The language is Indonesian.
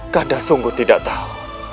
kanda sungguh tidak terlalu